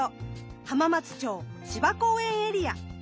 浜松町・芝公園エリア。